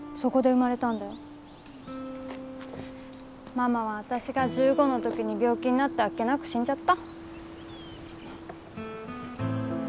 ママは私が１５の時に病気になってあっけなく死んじゃった。